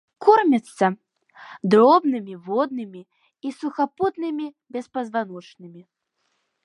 Кормяцца дробнымі воднымі і сухапутнымі беспазваночнымі.